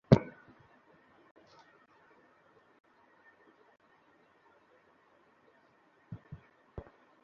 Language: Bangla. সব কিছুই আমার প্রতিপালকের জ্ঞানায়ত্ত।